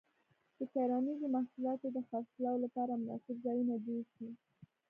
د کرنیزو محصولاتو د خرڅلاو لپاره مناسب ځایونه جوړ شي.